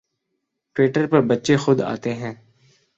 Twitter پر بچے خود آتے ہیں